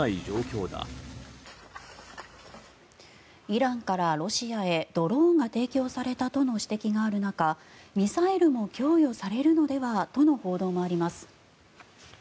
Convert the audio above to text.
イランからロシアへドローンが提供されたとの指摘がある中ミサイルも供与されるのではとの報道もあります。